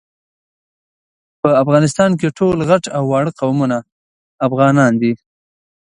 په افغانستان کي ټول غټ او واړه قومونه افغانان دي